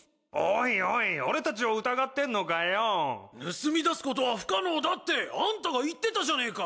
盗み出すことは不可能だってあんたが言ってたじゃねえか。